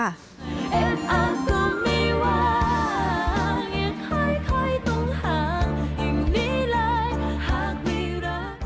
เอ็ดอันตรงไม่วางอย่าคอยตรงห่างอย่างนี้แหละหากไม่รัก